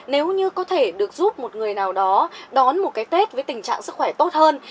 nếu như có thể được giúp một người nào đó đón một cái tết với tình trạng sức khỏe tốt hơn